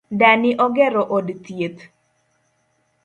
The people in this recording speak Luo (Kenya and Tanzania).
Dani ogero od thieth